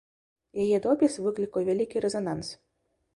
Яе допіс выклікаў вялікі рэзананс.